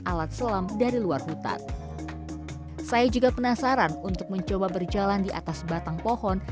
alat selam dari luar hutan saya juga penasaran untuk mencoba berjalan di atas batang pohon